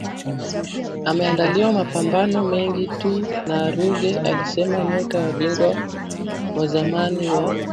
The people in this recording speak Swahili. ameandaliwa mapambano mengi tu na Ruge alisema nyota na bingwa wa zamani wa